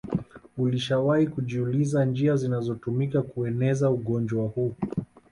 ulishawahi kujiuliza njia zinazotumika kueneza ugonjwa huu